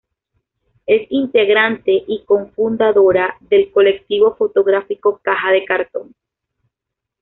Es integrante y cofundadora del Colectivo Fotográfico Caja de Cartón.